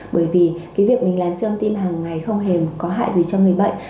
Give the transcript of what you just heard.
bởi vì cái việc mình làm siêu âm tim hàng ngày không hề có hại gì cho người bệnh